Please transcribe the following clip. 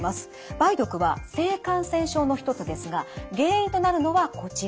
梅毒は性感染症の一つですが原因となるのはこちら。